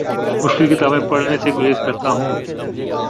مشکل کتابیں پڑھنے سے گریز کرتا ہوں